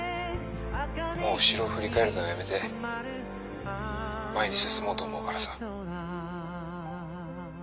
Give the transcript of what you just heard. もう後ろを振り返るのはやめて前に進もうと思うからさ。